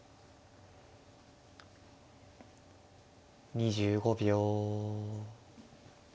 ２５秒。